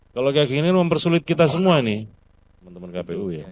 kalau kayak gini mempersulit kita semua nih teman teman kpu ya